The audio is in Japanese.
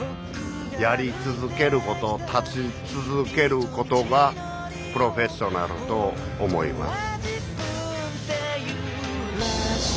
やり続けること立ち続けることがプロフェッショナルと思います。